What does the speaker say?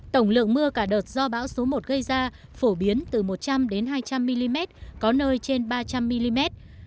tổng lượng mưa cả đợt do bão số một gây ra phổ biến từ một trăm linh đến hai trăm linh mm có nơi trên ba trăm linh mm